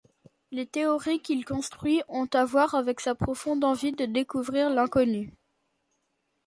Les théories qu'il construit ont à voir avec sa profonde envie de découvrir l'inconnu.